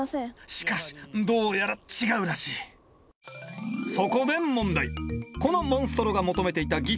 しかしどうやら違うらしいなるほど。